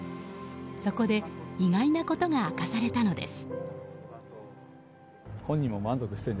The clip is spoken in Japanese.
そこで意外なことが明かされたのです。